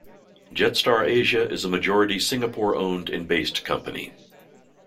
Jetstar Asia is a majority Singapore-owned and -based company.